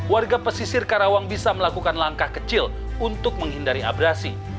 warga pesisir karawang bisa melakukan langkah kecil untuk menghindari abrasi